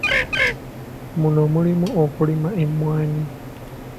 Muno mulimu okulima emmwaanyi.